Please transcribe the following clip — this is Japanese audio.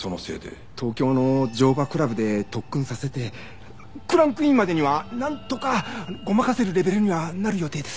東京の乗馬クラブで特訓させてクランクインまでにはなんとかごまかせるレベルにはなる予定です。